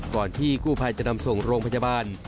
ก่อนที่กู้ภัยจะนำส่งโรงพยาบาล